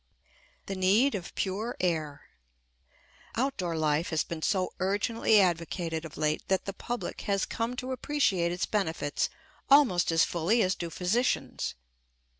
THE NEED OF PURE AIR. Outdoor life has been so urgently advocated of late that the public has come to appreciate its benefits almost as fully as do physicians.